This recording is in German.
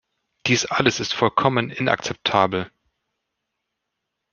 Dies alles ist vollkommen inakzeptabel.